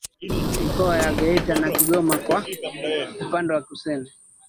Mikoa ya Geita na Kigoma kwa upande wa Kusini